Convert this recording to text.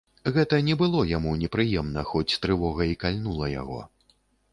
Гэта не было яму непрыемна, хоць трывога і кальнула яго.